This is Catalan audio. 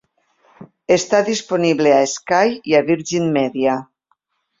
Està disponible a Sky i a Virgin Media.